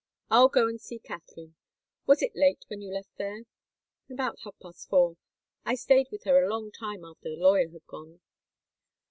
I'll go and see Katharine. Was it late when you left there?" "About half past four. I stayed with her a long time after the lawyer had gone."